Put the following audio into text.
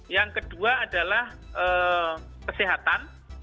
yang kedua adalah kesehatan